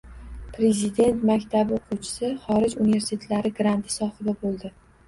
Prezident maktabi o‘quvchisi xorij universitetlari granti sohibi bo‘ldi